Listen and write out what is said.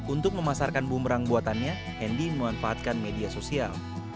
untuk memasarkan bumerang buatannya hendy memanfaatkan media sosial